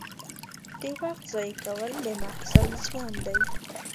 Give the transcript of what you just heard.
د وخت ضایع کول د محصل زیان دی.